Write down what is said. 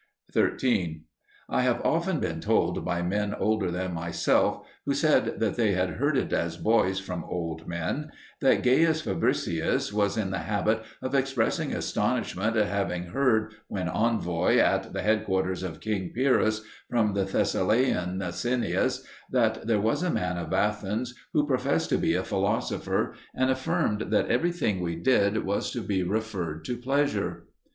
13. I have often been told by men older than myself, who said that they had heard it as boys from old men, that Gaius Fabricius was in the habit of expressing astonishment at having heard, when envoy at the headquarters of king Pyrrhus, from the Thessalian Cineas, that there was a man of Athens who professed to be a "philosopher," and affirmed that everything we did was to be referred to pleasure.